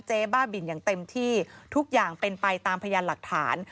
บ้าบินอย่างเต็มที่ทุกอย่างเป็นไปตามพยานหลักฐาน